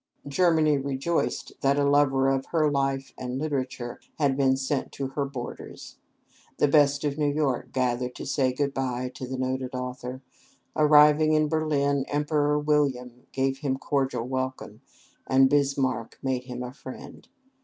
Germany rejoiced that a lover of her life and literature had been sent to her borders. The best of New York gathered to say good by to the noted author. Arriving in Berlin, Emperor William gave him cordial welcome, and Bismark made him a friend.